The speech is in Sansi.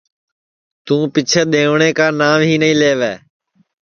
تو پیچھیں ڌينڻْيں کا ناو ہی نائی لَیووے